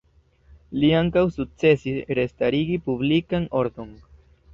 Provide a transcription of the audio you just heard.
Li ankaŭ sukcesis restarigi publikan ordon.